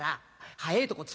早えとこ壺